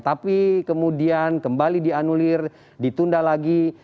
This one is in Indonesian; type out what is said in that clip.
tapi kemudian kembali dianulir ditunda lagi